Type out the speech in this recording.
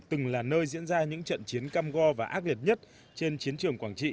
từng là nơi diễn ra những trận chiến cam go và ác liệt nhất trên chiến trường quảng trị